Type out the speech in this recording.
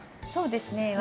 そうですね